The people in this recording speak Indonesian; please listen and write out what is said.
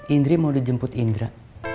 indri mau dijemput indra